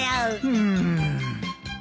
うん？